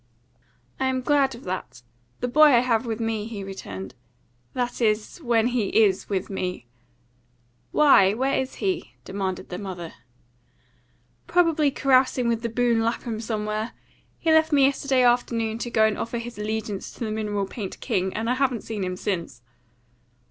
"I am glad of that. The boy I have with me," he returned; "that is, when he IS with me." "Why, where is he?" demanded the mother. "Probably carousing with the boon Lapham somewhere. He left me yesterday afternoon to go and offer his allegiance to the Mineral Paint King, and I haven't seen him since."